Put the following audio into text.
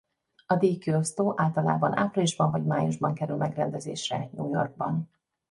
A díjkiosztó általában áprilisban vagy májusban kerül megrendezésre New Yorkban.